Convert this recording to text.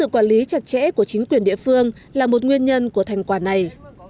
quản lý chặt chẽ của chính quyền địa phương là một nguyên nhân của thành quả này